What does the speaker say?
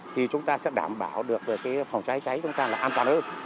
thì chúng ta sẽ đảm bảo được về phòng cháy cháy chúng ta là an toàn hơn